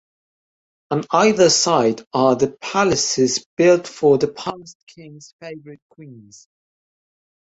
On either side are the palaces built for the past kings favourite queens.